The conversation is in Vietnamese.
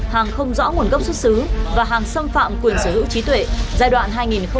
hàng không rõ nguồn gốc xuất xứ và hàng xâm phạm quyền sở hữu trí tuệ giai đoạn hai nghìn hai mươi một hai nghìn hai mươi năm